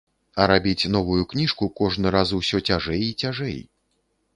А рабіць новую кніжку кожны раз усё цяжэй і цяжэй.